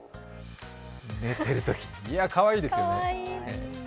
寝てるとき、いや、かわいいですよね。